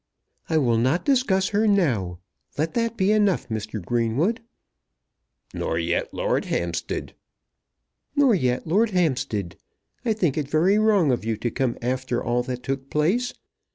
"I will not discuss her now. Let that be enough, Mr. Greenwood." "Nor yet Lord Hampstead." "Nor yet Lord Hampstead. I think it very wrong of you to come after all that took place.